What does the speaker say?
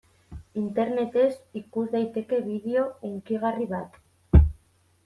Internetez ikus daiteke bideo hunkigarri bat.